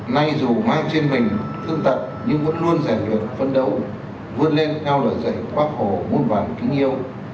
nay dù mang trên mình thương tật nhưng vẫn luôn giải quyết phấn đấu vươn lên theo lời dạy quá khổ muôn vàng kính yêu